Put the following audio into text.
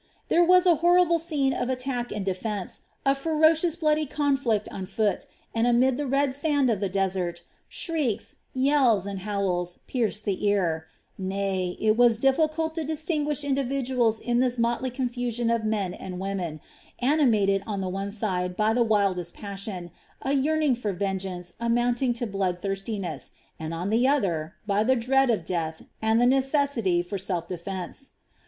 There was a horrible scene of attack and defence, a ferocious, bloody conflict on foot and amid the red sand of the desert, shrieks, yells, and howls pierced the ear; nay, it was difficult to distinguish individuals in this motley confusion of men and women, animated on the one side by the wildest passion, a yearning for vengeance amounting to blood thirstiness, and on the other by the dread of death and the necessity for self defence.